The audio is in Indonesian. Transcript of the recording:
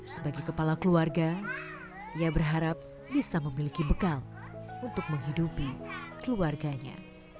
sebagai kepala keluarga ia berharap bisa memiliki bekal untuk menghidupi keluarganya